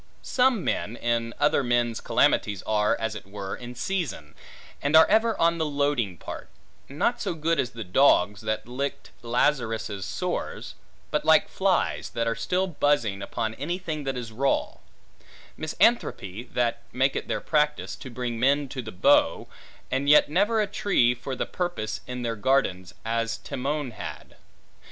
Such men, in other men's calamities, are, as it were, in season, and are ever on the loading part: not so good as the dogs, that licked Lazarus' sores; but like flies, that are still buzzing upon any thing that is raw; misanthropi, that make it their practice, to bring men to the bough, and yet never a tree for the purpose in their gardens, as Timon had.